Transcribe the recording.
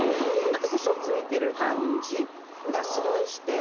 なんか嘘ついてる感じがすごいして。